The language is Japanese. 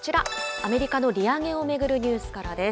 アメリカの利上げを巡るニュースからです。